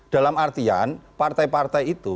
dalam artian partai partai itu